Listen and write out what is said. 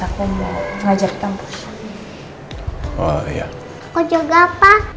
aku mau ngajak di kampus